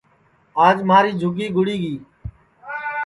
آج جیوٹؔیے کی جُھوپڑی گُڑی گی